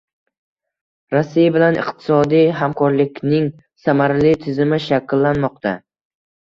Rossiya bilan iqtisodiy hamkorlikning samarali tizimi shakllanmoqda